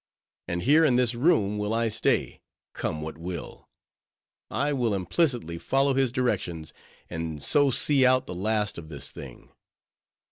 And here in this room will I stay, come what will. I will implicitly follow his directions, and so see out the last of this thing.